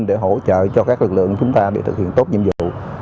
để hỗ trợ cho các lực lượng chúng ta để thực hiện tốt nhiệm vụ